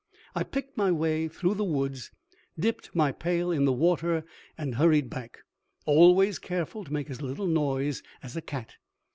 I picked my way through the woods, dipped my pail in the water and hurried back, always careful to make as little noise as a cat.